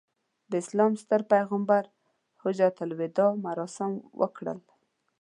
د اسلام ستر پیغمبر حجته الوداع مراسم وکړل.